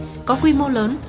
và có quy mô lớn